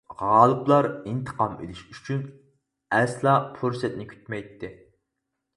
غالىبلار ئىنتىقام ئېلىش ئۈچۈن ئەسلا پۇرسەتنى كۈتمەيتتى.